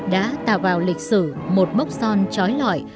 đã tạo vào lịch sử một mốc son trói lõi